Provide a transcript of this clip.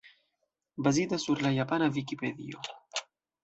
Bazita sur la japana Vikipedio.